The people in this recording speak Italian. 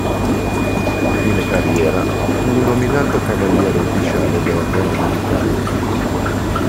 A fine carriera fu nominato Cavaliere Ufficiale della Corona d’Italia.